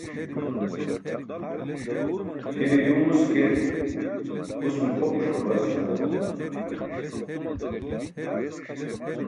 Hire yuwmus ke gus mo pʰopus babar senaan.